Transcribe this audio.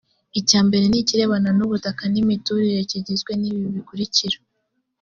icya mbere ni ikirebana n ubutaka n imiturire kigizwe n ibi bikurikira